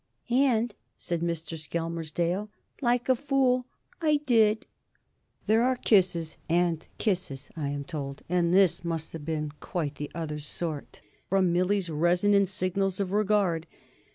"And," said Mr. Skelmersdale, "like a fool, I did." There are kisses and kisses, I am told, and this must have been quite the other sort from Millie's resonant signals of regard.